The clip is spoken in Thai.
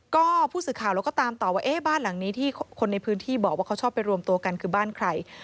ก็ผู้สื่อข่าวเราก็ตามต่อว่าเอ๊ะบ้านหลังนี้ที่คนในพื้นที่บอกว่าเขาชอบไปรวมตัวกันคือบ้านใคร